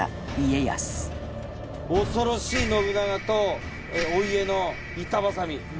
恐ろしい信長とお家の板挟み。